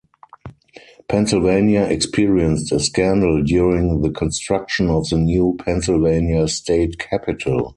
Pennsylvania experienced a scandal during the construction of the new Pennsylvania State Capitol.